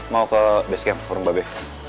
mau ke basecamp kurung babe